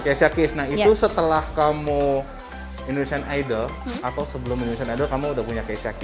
keysha keys nah itu setelah kamu indonesian idol atau sebelum indonesian idol kamu udah punya keysha keys